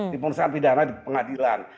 di satu acara di pengadilan